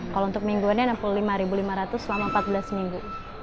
kalau untuk mingguannya enam puluh lima lima ratus selama empat belas minggu